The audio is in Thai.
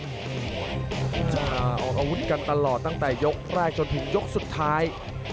อาวุธกันตลอดตั้งแต่ยกแรกจนถึงยกสุดท้าย